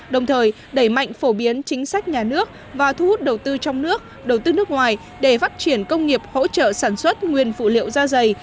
đồng thời đẩy mạnh phổ biến chính sách nhà nước và thu hút đầu tư trong nước đầu tư nước ngoài để phát triển công nghiệp hỗ trợ sản xuất nguyên phụ liệu da dày